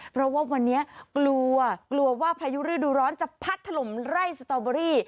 เพราะว่าวันนี้กลัวกลัวว่าพายุฤดูร้อนจะพัดถล่มไร่สตอเบอรี่